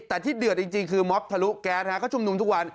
แต่ที่เดือดจริงคือมอบทะลุแก๊สเขาชุมนุมทุกวัน